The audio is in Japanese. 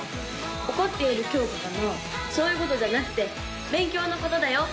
怒っているきょうかかなそういうことじゃなくて勉強のことだよ